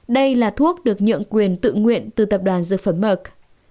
đây là thuốc được nhượng quyền tự nguyện từ tập đoàn dược phẩm mở